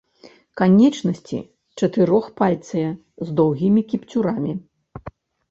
Канечнасці чатырохпальцыя, з доўгімі кіпцюрамі.